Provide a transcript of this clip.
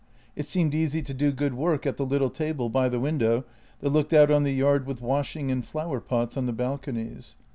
It seemed easy to do good work at the little table by the window that looked out on the yard with washing and flower pots on the balconies.